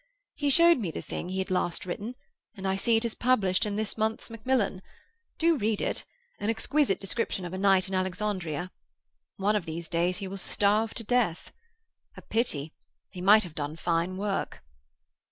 He showed me the thing he had last written, and I see it is published in this month's Macmillan. Do read it. An exquisite description of a night in Alexandria. One of these days he will starve to death. A pity; he might have done fine work."